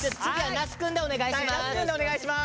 那須くんでお願いします。